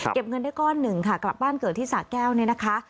เงินได้ก้อนหนึ่งค่ะกลับบ้านเกิดที่สะแก้วเนี่ยนะคะ